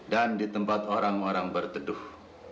dan di tempat orang orang berteduh